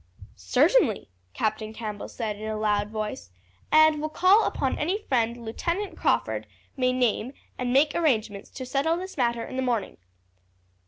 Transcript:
"Certainly," Captain Campbell said in a loud voice; "and will call upon any friend Lieutenant Crawford may name and make arrangements to settle this matter in the morning."